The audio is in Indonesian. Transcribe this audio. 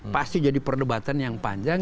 pasti jadi perdebatan yang panjang